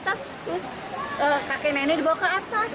terus kakek nenek dibawa ke atas